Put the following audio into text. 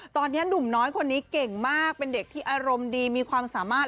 ตอนนี้หนุ่มน้อยคนนี้เก่งมากเป็นเด็กที่อารมณ์ดีมีความสามารถ